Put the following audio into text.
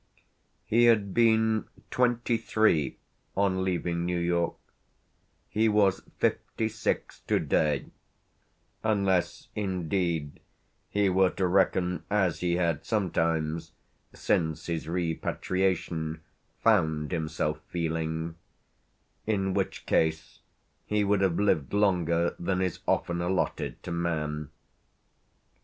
He had been twenty three on leaving New York he was fifty six to day; unless indeed he were to reckon as he had sometimes, since his repatriation, found himself feeling; in which case he would have lived longer than is often allotted to man.